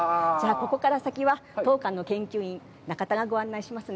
ここから先は、当館の研究員、中田がご案内しますね。